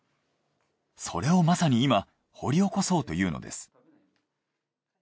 それをまさに今掘り起こそうというのです。